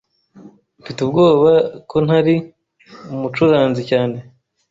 Mfite ubwoba ko ntari umucuranzi cyane